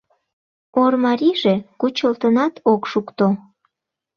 Ормарийже кучылтынат ок шукто...